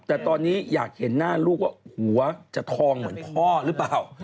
แต่ตอนนี้อยากเห็นหน้าลูกว่าหัวจะทองเหมือนพ่อหรือเปล่า